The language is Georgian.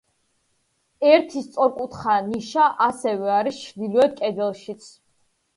ერთი სწორკუთხა ნიშა ასევე არის ჩრდილოეთ კედელშიც.